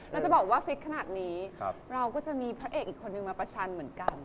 เราจะบอกว่าฟิตขนาดนี้เราก็จะมีพระเอกอีกคนนึงมาประชันเหมือนกัน